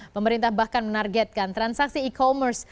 pemerintah bahkan menargetkan transaksi e commerce